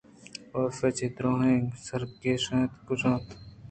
کاف ءَچہ دور ءَ سرکش اِت ءُگوٛشت